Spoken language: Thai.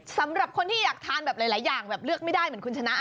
สำหรับคนที่อยากทานแบบหลายอย่างแบบเลือกไม่ได้เหมือนคุณชนะ